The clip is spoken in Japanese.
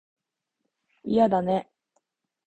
いやだね